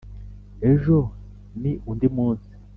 ejo ni undi munsi